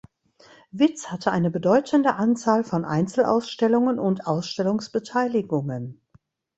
Witz hatte eine bedeutende Anzahl von Einzelausstellungen und Ausstellungsbeteiligungen.